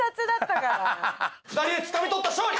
２人でつかみ取った勝利。